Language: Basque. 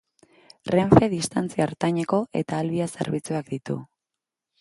Renfe Distantzia Ertaineko eta Alvia zerbitzuak ditu.